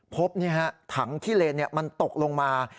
พบถังขี้เลนมันตกลงมา